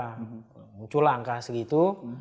muncul angka segitu